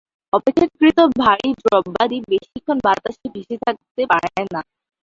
অপেক্ষাকৃত ভারি দ্রব্যাদি বেশিক্ষণ বাতাসে ভেসে থাকতে পারে না।